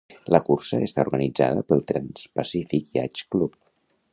La cursa està organitzada pel Transpacific Yacht Club.